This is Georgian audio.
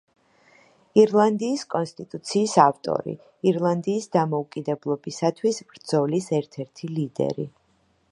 ირლანდიის კონსტიტუციის ავტორი, ირლანდიის დამოუკიდებლობისათვის ბრძოლის ერთ-ერთი ლიდერი.